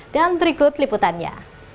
dan berikut liputannya